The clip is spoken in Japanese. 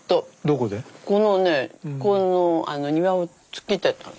このねこの庭を突っ切ってったの。